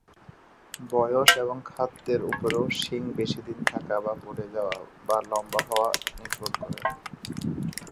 বয়স এবং খাদ্যের উপরও শিং বেশি দিন থাকা বা পড়ে যাওয়া বা লম্বা হওয়া নির্ভর করে।